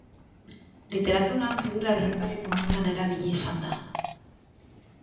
Literaturan figura erretoriko moduan erabili izan da.